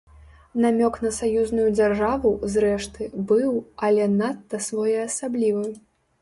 Намёк на саюзную дзяржаву, зрэшты, быў, але надта своеасаблівы.